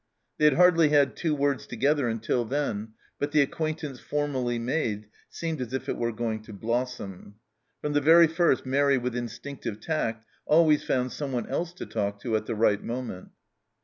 They had hardly had two words together until then, but the acquaintance fprmally made seemed as if it were going to blossom. From the very first Mairi, with instinctive tact, always found someone else to talk to at the right moment.